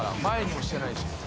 前にもしてないし。